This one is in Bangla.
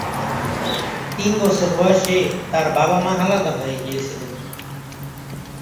তিন বছর বয়সে তার বাবা-মা আলাদা হয়ে গিয়েছিলেন।